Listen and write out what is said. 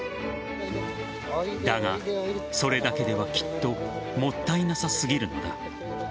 だが、それだけではきっともったいなさすぎるのだ。